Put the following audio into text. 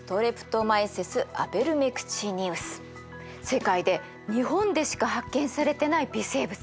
世界で日本でしか発見されてない微生物。